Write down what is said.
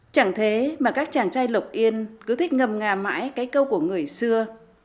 chẳng thế mà các chàng trai lộc yên cứ thích ngâm ngà mãi cái câu của người xưa